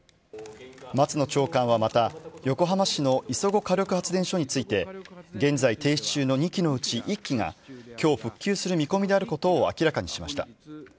松野長官はまた、横浜市の磯子火力発電所について、現在停止中の２基のうち１基が、きょう復旧する見込みであることを明らかにしました。